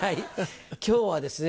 今日はですね